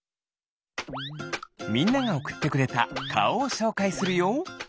みんながおくってくれたかおをしょうかいするよ。